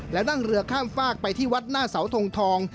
และนั่งเรือข้ามฝากไปที่วัดหน้าเสาทงทอง